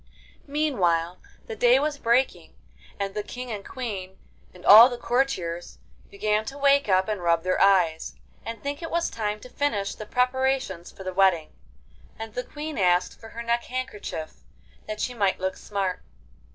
Meanwhile the day was breaking, and the King and Queen and all the courtiers began to wake up and rub their eyes, and think it was time to finish the preparations for the wedding. And the Queen asked for her neck handkerchief, that she might look smart.